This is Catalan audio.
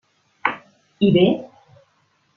I bé?